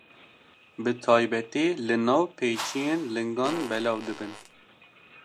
Bi taybetî li nav pêçiyên lingan belav dibin.